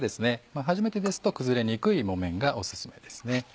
初めてですと崩れにくい木綿がお薦めですね。